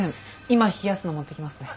今冷やすの持ってきますね。